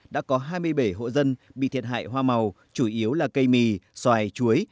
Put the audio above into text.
đã có hai mươi bảy hộ dân bị thiệt hại hoa màu chủ yếu là cây mì xoài chuối